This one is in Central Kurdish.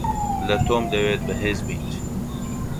لە تۆم دەوێت بەهێز بیت.